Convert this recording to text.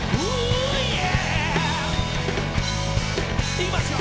いきますよ。